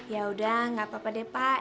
yaudah gak apa apa deh pak